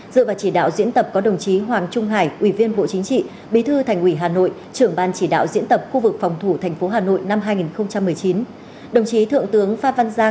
dựa vào chỉ đạo diễn tập có đồng chí hoàng trung hải ủy viên bộ chính trị bí thư thành ủy hà nội trưởng ban chỉ đạo diễn tập khu vực phòng thủ thành phố hà nội năm hai nghìn một mươi chín